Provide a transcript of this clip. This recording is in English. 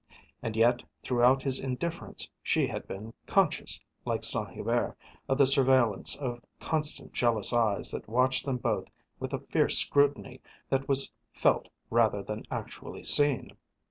And yet throughout his indifference she had been conscious, like Saint Hubert, of the surveillance of constant jealous eyes that watched them both with a fierce scrutiny that was felt rather than actually seen.